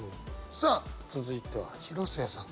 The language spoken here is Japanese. さあ続いては広末さん。